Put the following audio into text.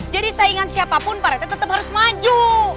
jadi saingan siapapun pak rete tetap harus maju